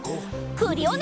クリオネ！